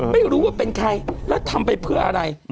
ไม่รู้ว่าเป็นใครแล้วทำไปเพื่ออะไร